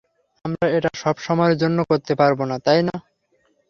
আমরা এটা সব সময়ের জন্য করতে পারব না, তাই না?